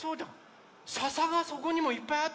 ささがそこにもいっぱいあったんだよ。